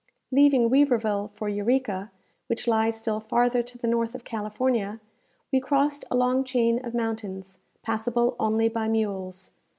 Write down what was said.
Leaving Weaverville for Eureka, which lies still farther to the north of California, we crossed a long chain of mountains, passable only by mules.